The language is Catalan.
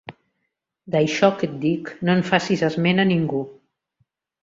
D'això que et dic, no en facis esment a ningú.